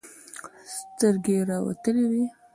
سترگې يې راوتلې وې.